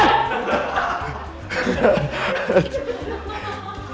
ฮ่า